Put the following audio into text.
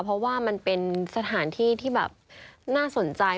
เพราะว่ามันเป็นสถานที่ที่แบบน่าสนใจ